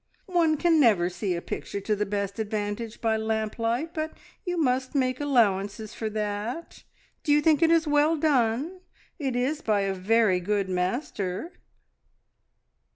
"One can never see a picture to the best advantage by lamp light, but you must make allowances for that. Do you think it is well done? It is by a very good master!"